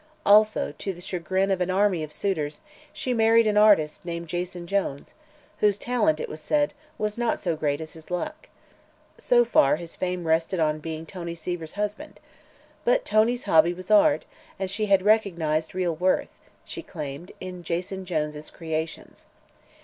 Also, to the chagrin of an army of suitors, she married an artist named Jason Jones, whose talent, it was said, was not so great as his luck. So far, his fame rested on his being "Tony Seaver's husband." But Tony's hobby was art, and she had recognized real worth, she claimed, in Jason Jones' creations.